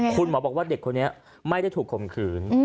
คุณหมอบอกว่าเด็กคนนี้ไม่ได้ถูกข่มขืน